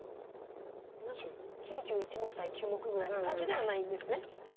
何か９１目対９目のぐらいの感じではないんですね。